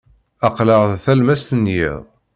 Aql-aɣ d talemmast n yiḍ.